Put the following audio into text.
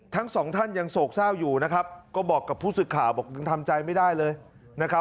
ทั้งสองท่านยังโศกเศร้าอยู่นะครับก็บอกกับผู้สื่อข่าวบอกยังทำใจไม่ได้เลยนะครับ